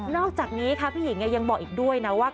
อกจากนี้ค่ะพี่หญิงยังบอกอีกด้วยนะว่า